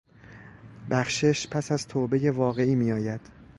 بخشش پس از توبهی واقعی میآید.